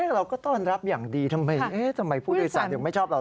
เราก็ต้อนรับอย่างดีทำไมผู้โดยสารถึงไม่ชอบเรา